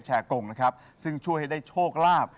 กงนะครับซึ่งช่วยให้ได้โชคลาภ